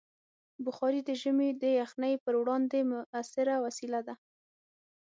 بخاري د ژمي د یخنۍ پر وړاندې مؤثره وسیله ده.